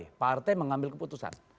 karena itu partai mengambil keputusan